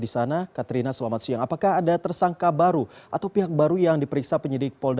selamat siang iqbal